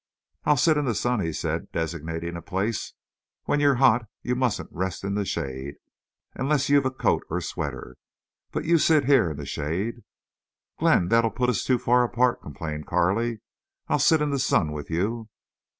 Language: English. "I'll sit in the sun," he said, designating a place. "When you're hot you mustn't rest in the shade, unless you've coat or sweater. But you sit here in the shade." "Glenn, that'll put us too far apart," complained Carley. "I'll sit in the sun with you."